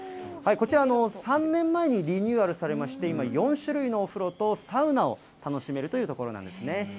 こちら、３年前にリニューアルされまして、今、４種類のお風呂とサウナを楽しめるという所なんですね。